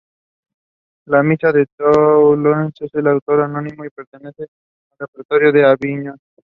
La "Misa de Toulouse" es de autor anónimo y pertenece al repertorio de Aviñón.